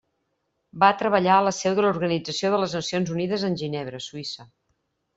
Va treballar a la seu de l'Organització de les Nacions Unides en Ginebra, Suïssa.